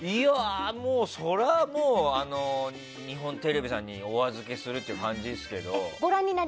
もうそれは日本テレビさんにお預けするという感じですけど。